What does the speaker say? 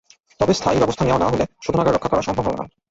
তবে স্থায়ী ব্যবস্থা নেওয়া না হলে শোধনাগার রক্ষা করা সম্ভব হবে না।